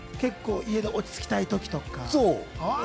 家で落ち着きたい時とか？